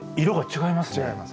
違います。